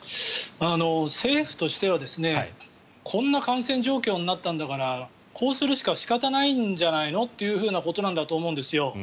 政府としてはこんな感染状況になったんだからこうするしか仕方ないんじゃないのということだと思うんです。